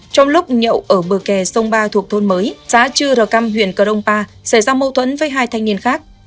trong lúc nhậu ở bờ kè sông ba thuộc thôn mới xã chư ră căm huyện cờ rông pa xảy ra mâu thuẫn với hai thanh niên khác